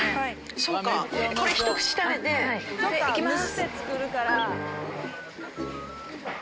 そうかこれ一口食べて行きます